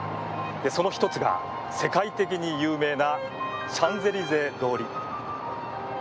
その一つが世界的に有名なシャンゼリゼ通り。